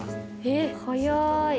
えっ早い。